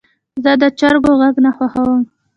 زه د چرګو غږ نه خوښوم.